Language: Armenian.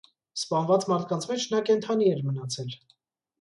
Սպանված մարդկանց մեջ նա կենդանի էր մնացել։